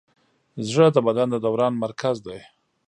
زړه د بدن د دوران مرکز دی.